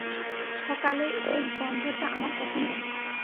সকালে এই গ্যাসের গন্ধটা আমার পছন্দ।